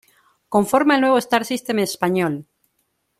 Conforma el nuevo star-system español".